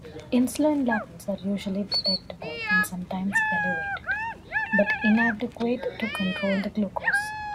Insulin levels are usually detectable, and sometimes elevated, but inadequate to control the glucose.